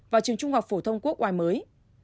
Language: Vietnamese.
và trường trung học phổ thông quốc oai mới